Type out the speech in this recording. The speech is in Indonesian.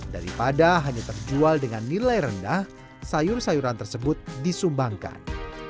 daripada hanya terjual dengan nilai rendah sayur sayuran tersebut disumbangkan